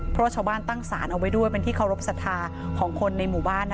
เพราะชาวบ้านตั้งสารเอาไว้ด้วยเป็นที่เคารพสัทธาของคนในหมู่บ้าน